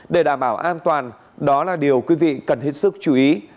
để đảm bảo an toàn đó là điều quý vị cần hết sức chú ý